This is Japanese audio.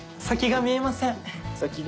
先が見えません。